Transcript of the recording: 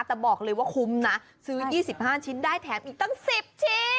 แต่บอกเลยว่าคุ้มนะซื้อ๒๕ชิ้นได้แถมอีกตั้ง๑๐ชิ้น